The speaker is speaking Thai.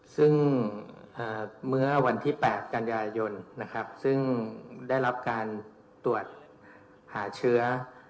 ซึ่งเมื่อวันที่๘กันยายนนะครับซึ่งได้รับการตรวจหาเชื้อ